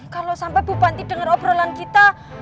kalau sampai ibu panti denger obrolan kita